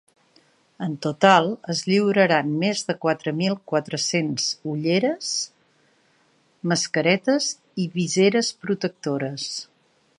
En total es lliuraran més de quatre mil quatre-cents ulleres, mascaretes i viseres protectores.